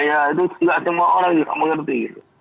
itu tidak cuma orang yang mengerti